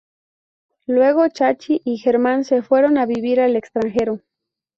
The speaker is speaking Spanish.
Luego Chachi y Germán se fueron a vivir al extranjero.